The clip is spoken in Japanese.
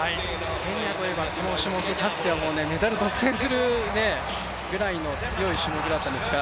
ケニアとしてはこの種目、かつてメダルを独占するぐらいの強い種目だったんですが、